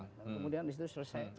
kemudian di situ selesai